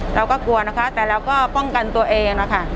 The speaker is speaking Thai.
เราก็กลัวนะคะแต่เราก็ป้องกันตัวเองนะคะ